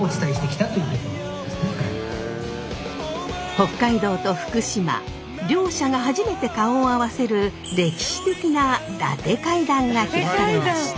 北海道と福島両者が初めて顔を合わせる歴史的な伊達会談が開かれました。